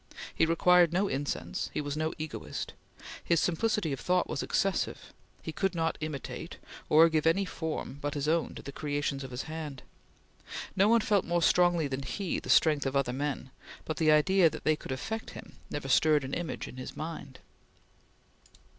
He required no incense; he was no egoist; his simplicity of thought was excessive; he could not imitate, or give any form but his own to the creations of his hand. No one felt more strongly than he the strength of other men, but the idea that they could affect him never stirred an image in his mind.